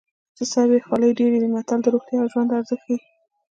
چې سر وي خولۍ ډېرې دي متل د روغتیا او ژوند ارزښت ښيي